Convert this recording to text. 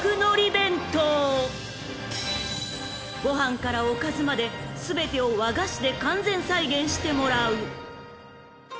［ご飯からおかずまで全てを和菓子で完全再現してもらう］